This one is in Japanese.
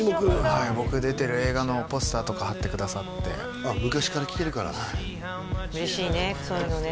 はい僕出てる映画のポスターとか張ってくださってああ昔から来てるからね嬉しいねそういうのね